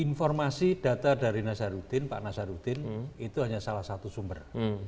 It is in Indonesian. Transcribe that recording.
informasi data dari nazarudin pak nasaruddin itu hanya salah satu sumber